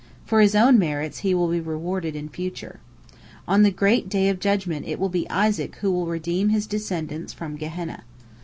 For his own merits he will be rewarded in future. On the great day of judgment it will be Isaac who will redeem his descendants from Gehenna.